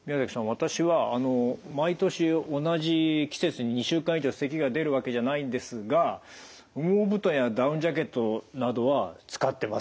私は毎年同じ季節に２週間以上せきが出るわけじゃないんですが羽毛布団やダウンジャケットなどは使ってます。